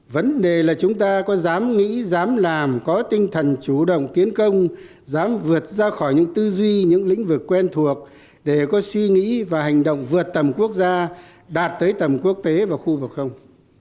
vấn đề là chúng ta có dám nghĩ dám làm có tinh thần chủ động tiến công dám vượt ra khỏi những tư duy những lĩnh vực quen thuộc để có suy nghĩ và hành động vượt tầm quốc gia đạt tới tầm quốc tế và khu vực không